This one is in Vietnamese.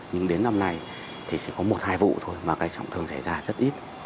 nhưng đến năm nay thì chỉ có một hai vụ thôi mà cái trọng thương xảy ra rất ít